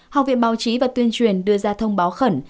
học viện báo chí và tuyên truyền đưa ra thông báo khẩn